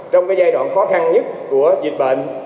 trong giai đoạn khó khăn nhất của dịch bệnh